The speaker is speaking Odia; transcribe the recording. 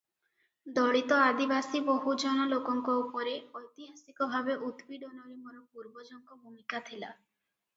ଦଳିତ-ଆଦିବାସୀ-ବହୁଜନ ଲୋକଙ୍କ ଉପରେ ଐତିହାସିକ ଭାବେ ଉତ୍ପୀଡ଼ନରେ ମୋର ପୂର୍ବଜଙ୍କ ଭୂମିକା ଥିଲା ।